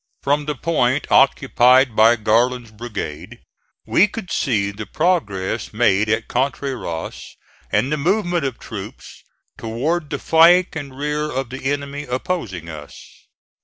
From the point occupied by Garland's brigade we could see the progress made at Contreras and the movement of troops toward the flank and rear of the enemy opposing us.